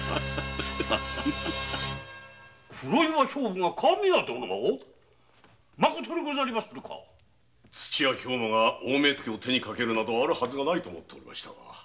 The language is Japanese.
黒岩兵部が神谷殿を⁉まことにござりまするか土屋兵馬が大目付を手にかけるなどないと思いましたが。